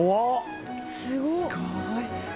すごい。